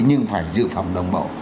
chúng ta phải dự phòng đồng bộ